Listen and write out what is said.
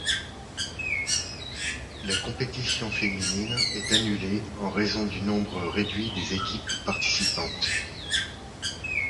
La compétition féminine est annulée en raison du nombre réduit des équipes participantes.